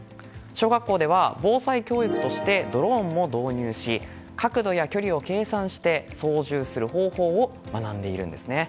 小学校では防災教育としてドローンも導入し角度や距離を計算して操縦する方法を学んでいるんですね。